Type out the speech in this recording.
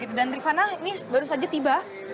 saya juga mengatakan bahwa mereka tidak adaoke